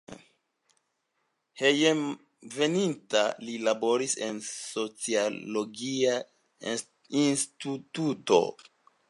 Hejmenveninta li laboris en sociologia instituto.